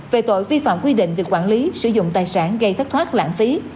về tội vi phạm quy định về quản lý sử dụng tài sản gây thất thoát lãng phí